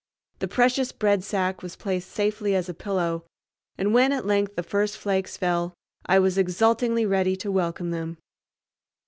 The precious bread sack was placed safely as a pillow, and when at length the first flakes fell I was exultingly ready to welcome them.